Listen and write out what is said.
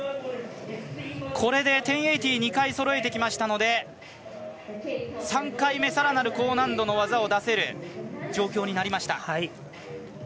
これで１０８０２回そろえてきましたので３回目更なる高難度の技を出せる状況になりました。